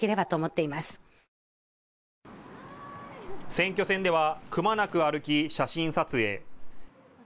選挙戦ではくまなく歩き、写真撮影。